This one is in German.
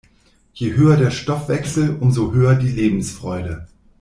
Je höher der Stoffwechsel, umso höher die Lebensfreude.